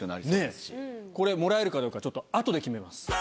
これもらえるかどうかはちょっとあとで決めます。